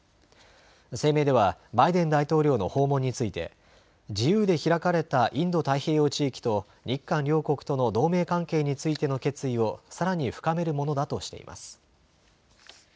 声明ではバイデン大統領の訪問について自由で開かれたインド太平洋地域と日韓両国との同盟関係についての決意をさらに深めるものだとしています。